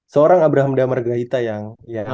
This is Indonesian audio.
seorang abraham damarga hita yang